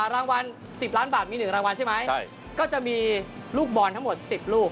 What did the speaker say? รางวัล๑๐ล้านบาทมี๑รางวัลใช่ไหมก็จะมีลูกบอลทั้งหมด๑๐ลูก